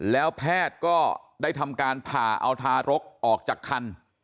แล้วแพทย์ก็ได้ทำการผ่าเอาทารกออกจากคัน